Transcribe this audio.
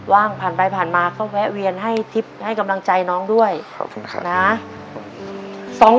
ว่างผ่านไปผ่านมาก็แวะเวียนให้ทริปให้กำลังใจน้องด้วยขอบคุณค่ะสอง